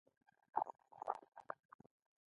ایا موبایل ورته زیان نه رسوي؟